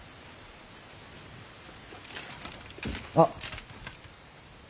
あっ。